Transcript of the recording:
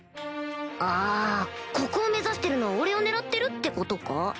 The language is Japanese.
あここを目指してるのは俺を狙ってるってことか？